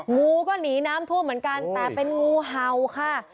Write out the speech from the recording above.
งูก็หนีน้ำท่วมเหมือนกันแต่เป็นงูเห่าค่ะ